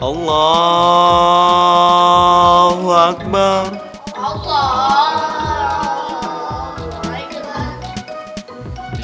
allahu akbar allah